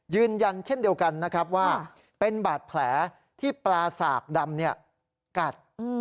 ยืนยันเช่นเดียวกันนะครับว่าเป็นบาดแผลที่ปลาสากดำกัด